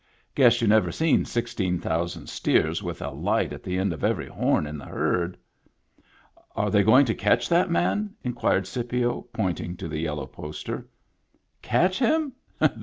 Guess you never seen sixteen thousand steers with a light at the end of every horn in the herd." " Are they going to catch that man ?" inquired Scipio, pointing to the yellow poster. " Catch him